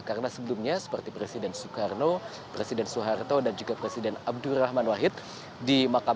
karena sebelumnya seperti presiden soekarno presiden soeharto dan juga presiden abdurrahman wahid